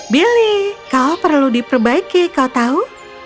billy kau perlu diperbaiki kau tahu